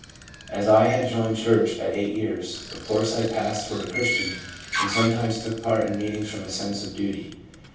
As I had joined church at 8 years, of course I passed for a Chris tian, and sometimes took part in meetings from a sense of duty.